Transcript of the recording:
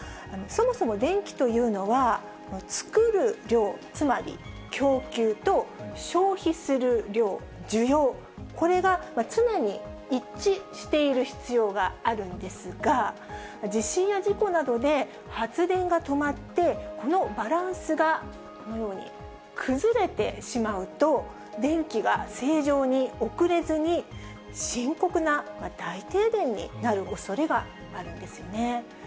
そもそも電気というのは、作る量、つまり供給と、消費する量、需要、これが常に一致している必要があるんですが、地震や事故などで、発電が止まってこのバランスがこのように崩れてしまうと、電気が正常に送れずに、深刻な大停電におそれがあるんですよね。